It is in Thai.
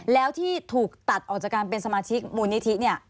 แล้วที่ถูกตัดออกจากการเป็นสมาชิกมูลนิธิเนี่ย